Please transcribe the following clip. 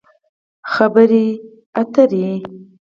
خبرې اترې